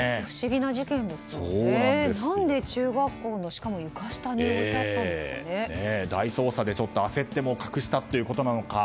なんで中学校の床下に大捜査に焦って隠したということなのか